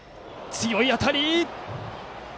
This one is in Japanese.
強い当たり！